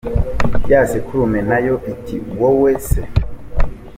Ya sekurume na yo iti: wowe se????.